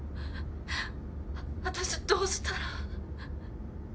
私どうしたら。